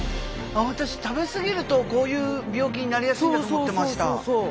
私食べ過ぎるとこういう病気になりやすいんだと思ってました。